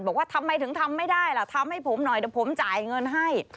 บอกว่าทำไมถึงทำไม่ได้ล่ะทำให้ผมหน่อยเดี๋ยวผมจ่ายเงินให้